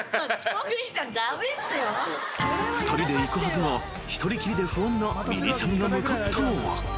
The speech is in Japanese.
［２人で行くはずが一人きりで不安なみりちゃむが向かったのは］